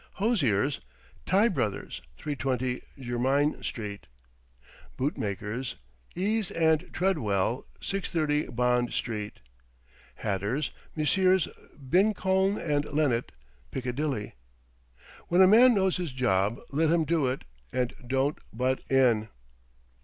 Hosiers ... Tye Brothers, 320 Jermyn Street. Bootmakers . Ease & Treadwell, 630 Bond Street. Hatters ... Messrs. Bincoln and Lennet, Piccadilly. When a man knows his job, let him do it and don't butt in."